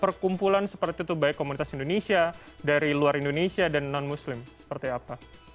perkumpulan seperti itu baik komunitas indonesia dari luar indonesia dan non muslim seperti apa